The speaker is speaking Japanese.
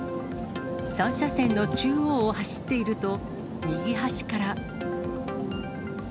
３車線の中央を走っていると、右端から。